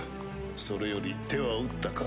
それより手は打ったか？